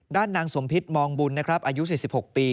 นางสมพิษมองบุญนะครับอายุ๔๖ปี